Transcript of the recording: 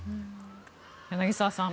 柳澤さん